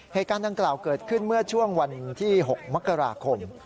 เหตุการณ์ดังกล่าวเกิดขึ้นเมื่อช่วงวันที่๖มกราคม